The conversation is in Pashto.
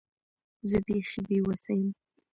زه بیخي بې وسه یم .